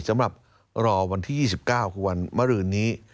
สำหรับรอวันที่๒๙คือวันมรืนนี้